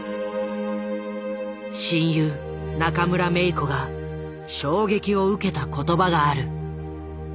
親友中村メイコが衝撃を受けた言葉がある。